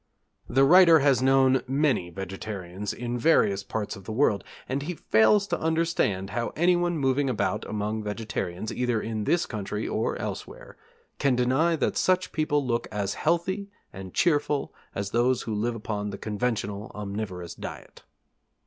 The writer has known many vegetarians in various parts of the world, and he fails to understand how anyone moving about among vegetarians, either in this country or elsewhere, can deny that such people look as healthy and cheerful as those who live upon the conventional omnivorous diet.